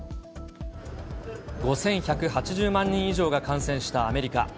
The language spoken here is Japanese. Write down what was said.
５１８０万人以上が感染したアメリカ。